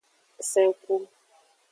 Sen ku.